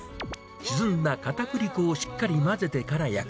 沈んだかたくり粉をしっかり混ぜてから焼く。